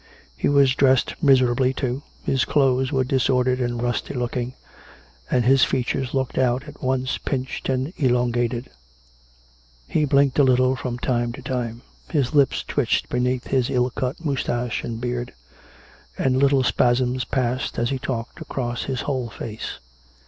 He was dressed miserably, too; his clothes were disordered and rusty look ing; and his features looked out, at once pinched and elongated. He blinked a little from time to time; his lips twitched beneath his ill cut moustache and beard; and little spasms passed, as he talked, across his whole face.